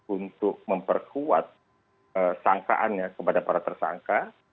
untuk memperkuat sangkaannya kepada para tersangka